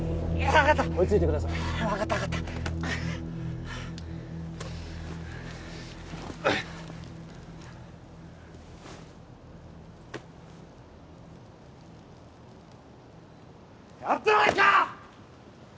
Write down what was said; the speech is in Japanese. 分かった落ち着いてくださいああ分かった分かったやってられっか！